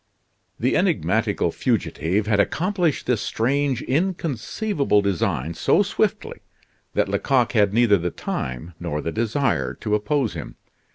The enigmatical fugitive had accomplished this strange, inconceivable design so swiftly that Lecoq had neither the time nor the desire to oppose him.